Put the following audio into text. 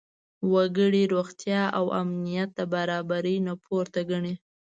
وګړي روغتیا او امنیت د برابرۍ نه پورته ګڼي.